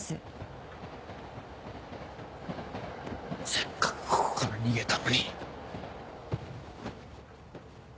せっかくここから逃げたのに。